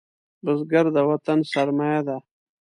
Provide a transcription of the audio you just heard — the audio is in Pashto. بزګر د وطن سرمايه ده